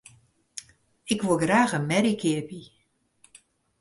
Ik woe graach in merje keapje.